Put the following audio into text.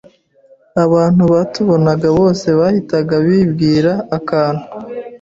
abantu batubonaga bose bahitaga bibwira akantu